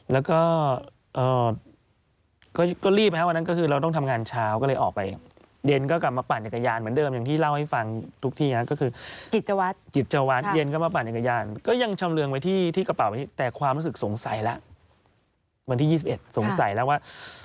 แล้วก็รีบครับวันนั้นก็คือเราต้องทำงานเช้าก็เลยออกไปเย็นก็กลับมาปั่นจักรยานเหมือนเดิมอย่างที่เล่าให้ฟังทุกที่แล้วก็คือกิจวัตรเย็นก็มาปั่นจักรยานก็ยังชำเรืองไว้ที่กระเป๋านี้แต่ความรู้สึกสงสัยแล้ววันที่๒๑สงสัยแล้วว่า